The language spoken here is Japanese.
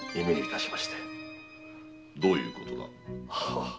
どういうことだ？